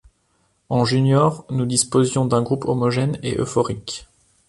En junior, nous disposions d’un groupe homogène et euphorique.